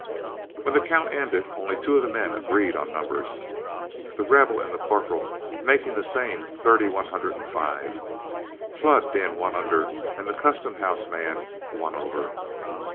When the count ended only two of the men agreed on numbers, The Rebel and the corporal making the same thirty one hundred and five, Flood being one under and the Custom House man one over.